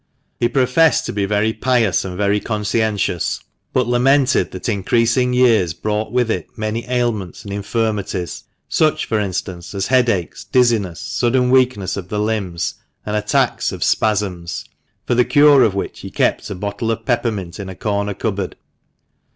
He professed to be very pious and very conscientious, but lamented that increasing years brought with it many ailments and infirmities, such, for instance, as headaches, dizziness, sudden weakness of the limbs, and attacks of spasms — for the cure of which he kept a bottle of peppermint in a corner cupboard.